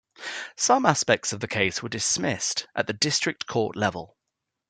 Some aspects of the case were dismissed at the District Court level.